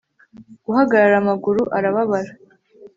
Guhagarara amaguru arababara